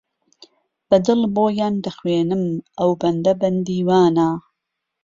بە دڵ بۆیان دەخوێنم ئەو بەندە بەندی وانە